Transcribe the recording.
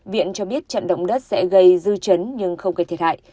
viện cho biết trận động đất sẽ gây dư chấn nhưng không gây thiệt hại